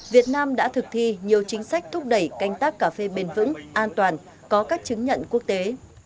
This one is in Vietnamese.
việt nam đã thực thi nhiều chính sách thúc đẩy canh tác cà phê bền vững an toàn có các chứng nhận quốc tế